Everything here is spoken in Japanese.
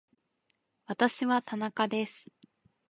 私は田中です